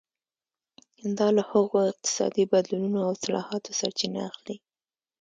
دا له هغو اقتصادي بدلونونو او اصلاحاتو سرچینه اخلي.